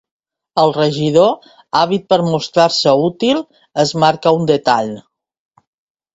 El regidor, àvid per mostrar-se útil, es marca un detall.